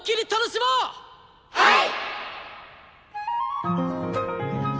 はい！